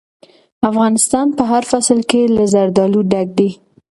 افغانستان په هر فصل کې له زردالو ډک دی.